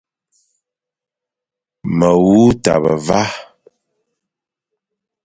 Me wu tabe va,